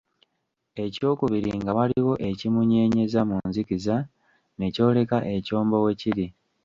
Eky'okubiri nga waliwo ekimunyeenyeza mu nzikiza ne kyoleka ekyombo we kiri.